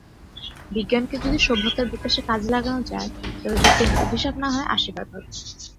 বিজ্ঞানকে যদি সভ্যতার বিকাশে কাজে লাগানো যায়, তবে বিজ্ঞান অভিশাপ না হয়ে আশীর্বাদ হবে।